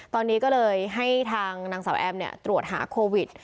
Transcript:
ตอนนี้ก็เลยให้ทางนางสาวแอมตรวจหาโควิด